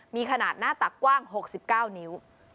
มีขนาดหน้าตักกว้าง๖๙นิ้ว